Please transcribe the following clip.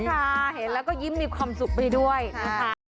ค่ะเห็นแล้วก็ยิ้มมีความสุขไปด้วยนะคะ